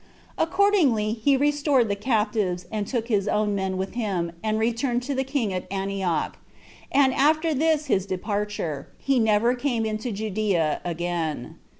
Accordingly, he restored the captives, and took his own men with him, and returned to the king at Antioch; and after this his departure, he never came into Judea again.